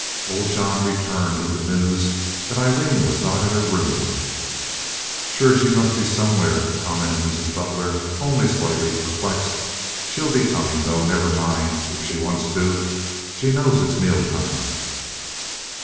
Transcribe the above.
Old John returned with the news that Aileen was not in her room. "Sure she must be somewhere," commented Mrs. Butler, only slightly perplexed. "She'll be comin', though, never mind, if she wants to. She knows it's meal time."